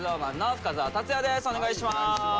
お願いします。